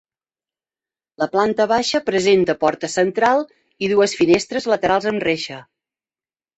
La planta baixa presenta porta central i dues finestres laterals amb reixa.